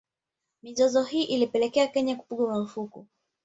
Mizozo hii ilipelekea Kenya kupigwa marufuku